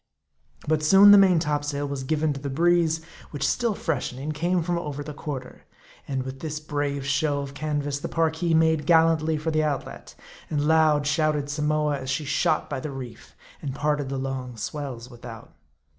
But soon the main topsail was given to the breeze, which still freshening, came from over the quarter. And with this brave show of canvas, the Parki made gallantly for the outlet ; and loud shouted Samoa as she shot by the reef, and parted the long swells without.